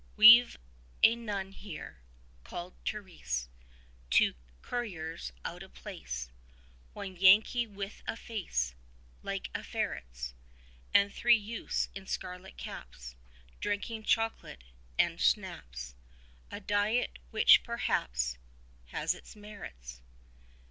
We've a nun here (called Therèse), Two couriers out of place, One Yankee with a face 55 Like a ferret's: And three youths in scarlet caps Drinking chocolate and schnapps A diet which perhaps Has its merits.